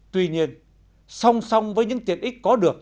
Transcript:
tuy nhiên song song với những tiện ích có được